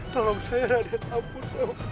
tolong saya raden ampun saya bertobat raden